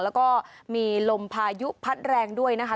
แล้วก็มีลมพายุพัดแรงด้วยนะคะ